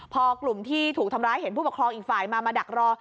พอกลุ่มที่ถูกทำร้ายเห็นผู้ปกครองอีกฝ่ายมามาดักรอ